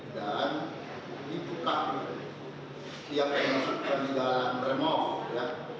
dan dibuka tiap yang masuk ke dalam remof